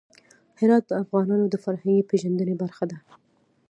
هرات د افغانانو د فرهنګي پیژندنې برخه ده.